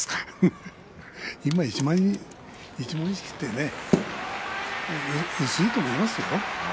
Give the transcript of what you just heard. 今、一門の意識は薄いと思いますよ。